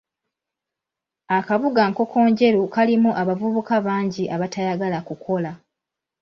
Akabuga Nkokonjeru kalimu abavubuka bangi abatayagala kukola.